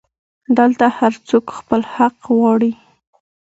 دلته هرڅوک خپل حق غواړي